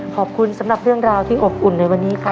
ขอบคุณสำหรับเรื่องราวที่อบอุ่นในวันนี้ครับ